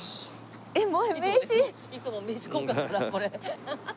いつも名刺交換からこれ。